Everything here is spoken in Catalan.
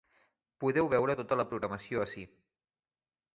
Podeu veure tota la programació ací.